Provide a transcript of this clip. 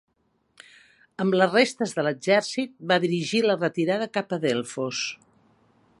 Amb les restes de l'exèrcit va dirigir la retirada cap a Delfos.